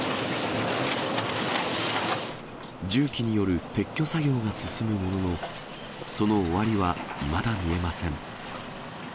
重機による撤去作業が進むものの、その終わりはいまだ見えません。